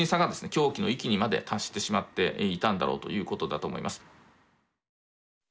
狂気の域にまで達してしまっていたんだろうということだと思います。